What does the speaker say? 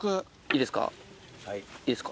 いいですか？